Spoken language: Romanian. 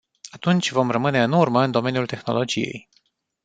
Atunci vom rămâne în urmă în domeniul tehnologiei.